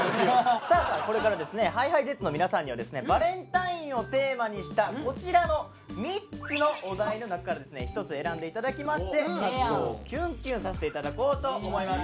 さあさあこれからですねＨｉＨｉＪｅｔｓの皆さんにはですねバレンタインをテーマにしたこちらの３つのお題の中からですね１つ選んで頂きまして和子をキュンキュンさせて頂こうと思います。